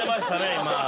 今。